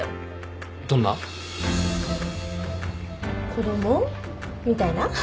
子供？みたいな？